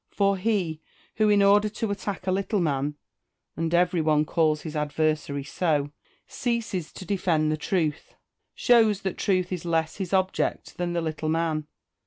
For he, who in order to attack a little man (and every one calls his adversary so) ceases to defend the truth, shows that truth is less his object than the little man.